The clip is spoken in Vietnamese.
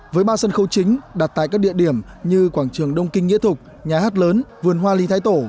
với ba sân khấu chính đặt tại các địa điểm như quảng trường đông kinh nghĩa thục nhà hát lớn vườn hoa lý thái tổ